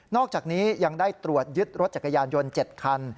อกจากนี้ยังได้ตรวจยึดรถจักรยานยนต์๗คัน